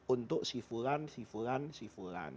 untuk syifulan syifulan syifulan